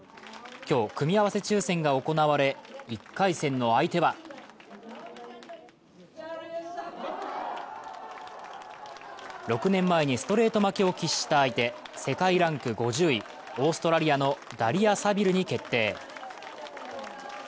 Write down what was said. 今日、組み合わせ抽選が行われ、１回戦の相手は６年前にストレート負けを喫した相手、世界ランク５０位、オーストラリアのダリア・サビルに決定。